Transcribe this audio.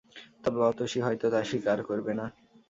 তবে অতসী হয়তো তা স্বীকার করবে না।